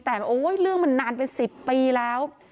แต่โอ้ยเรื่องมันนานเป็น๑๐ปีแล้ว